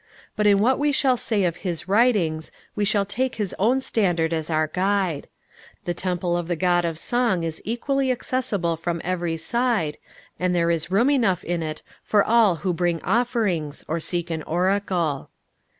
But in what we shall say of his writings, we shall take his own standard as our guide. The temple of the god of song is equally accessible from every side, and there is room enough in it for all who bring offerings, or seek in oracle.